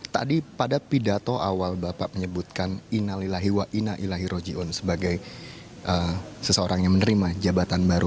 tadi pada pidato awal bapak menyebutkan innalillahi wa innaillahi rojiun sebagai seseorang yang menerima jabatan baru